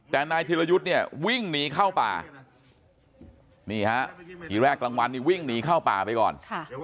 แต่นายธิรยุทธ์เนี่ยวิ่งหนีเข้าป่านี่ฮะทีแรกกลางวันนี้วิ่งหนีเข้าป่าไปก่อน